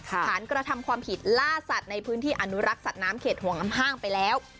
ฐานกระทำความผิดล่าสัตว์ในพื้นที่อนุรักษ์สัตว์น้ำเขตห่วงน้ำห้างไปแล้ว